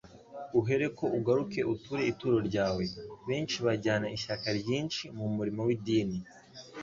uhereko ugaruke uture ituro ryawe.» Benshi bajyana ishyaka ryinshi mu murimo w'idini,